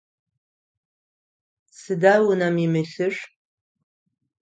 Сыда унэм имылъыр?